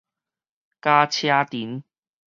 加車藤